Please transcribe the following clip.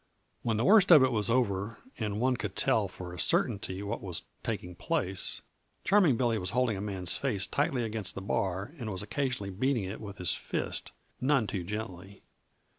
When the worst of it was over and one could tell for a certainty what was taking place, Charming Billy was holding a man's face tightly against the bar and was occasionally beating it with his fist none too gently.